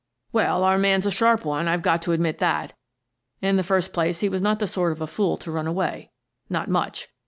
"" Well, our man's a sharp one, I've got to admit that. In the first place, he was not the sort of a fool to run away. Not much.